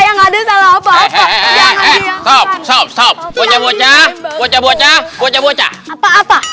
nggak ada salah apa apa jangan biar sop sop bocah bocah bocah bocah bocah bocah apa apa